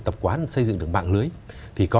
tập quán xây dựng được mạng lưới thì có